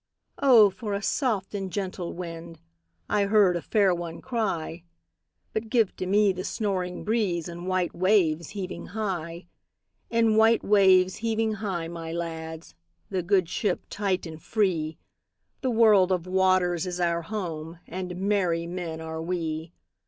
"O for a soft and gentle wind!"I heard a fair one cry:But give to me the snoring breezeAnd white waves heaving high; And white waves heaving high, my lads, The good ship tight and free—The world of waters is our home, And merry men are we.